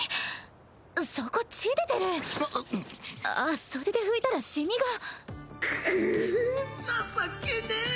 あっ袖で拭いたらシミが。